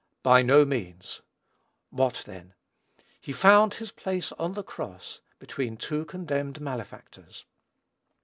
By no means. What then? He found his place on the cross, between two condemned malefactors.